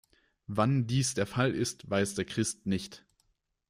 Wann dies der Fall ist, weiß der Christ nicht.